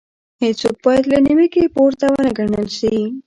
هيڅوک بايد له نيوکې پورته ونه ګڼل شي.